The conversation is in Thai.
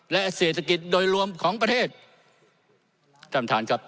และเศรษฐกิจโดยรวมของประเทศท่านประธานครับ